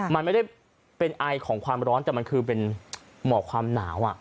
มันไม่ได้เป็นไอของความร้อนแต่มันคือเป็นหมอกความหนาว